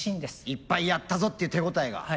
いっぱいやったぞっていう手応えが。